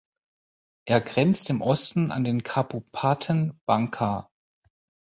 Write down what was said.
Er grenzt im Osten an den Kabupaten Bangka.